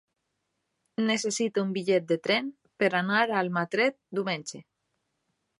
Necessito un bitllet de tren per anar a Almatret diumenge.